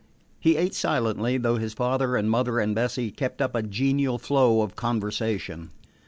He ate silently, though his father and mother and Bessie kept up a genial flow of conversation.